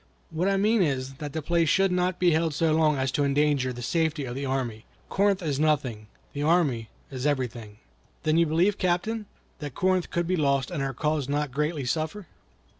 "What I mean is, that the place should not be held so long as to endanger the safety of the army. Corinth is nothing; the army is everything." "Then you believe, Captain, that Corinth could be lost, and our cause not greatly suffer?"